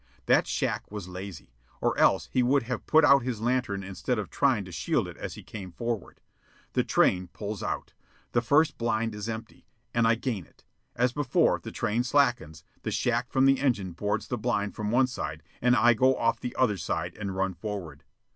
That shack was lazy, or else he would have put out his lantern instead of trying to shield it as he came forward. The train pulls out. The first blind is empty, and I gain it. As before the train slackens, the shack from the engine boards the blind from one side, and I go off the other side and run forward.